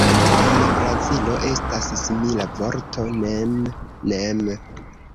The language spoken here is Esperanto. En Brazilo, estas simila vorto "nem-nem".